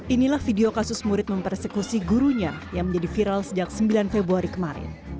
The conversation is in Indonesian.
inilah video kasus murid mempersekusi gurunya yang menjadi viral sejak sembilan februari kemarin